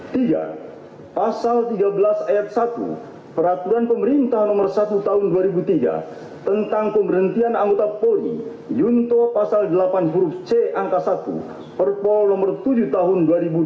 tiga pasal tiga belas ayat satu peraturan pemerintah nomor satu tahun dua ribu tiga tentang pemberhentian anggota polri yunto pasal delapan huruf c angka satu perpol nomor tujuh tahun dua ribu dua puluh